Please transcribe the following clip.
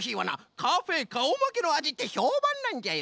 カフェかおまけのあじってひょうばんなんじゃよ。